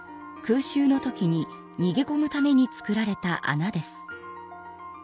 空襲の時ににげこむためにつくられたあなです。